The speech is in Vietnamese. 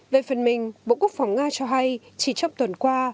về phần mình bộ quốc phòng nga cho hay chỉ trong tuần qua